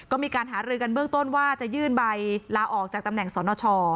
ก็มีการหารือกันเบื้องต้นว่าจะยื่นใบลาออกจากตำแหน่งสนช